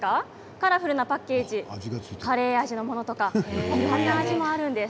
カラフルなパッケージカレー味のものとかいろんな味があるんです。